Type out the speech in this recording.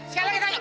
sekali lagi tanya